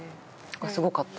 すごかった。